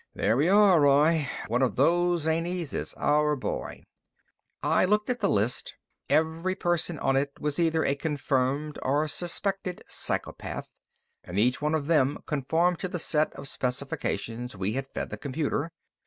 "There we are, Roy. One of those zanies is our boy." I looked at the list. Every person on it was either a confirmed or suspected psychopath, and each one of them conformed to the set of specifications we had fed the computer.